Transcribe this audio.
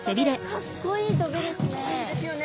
かっこいい棘ですね。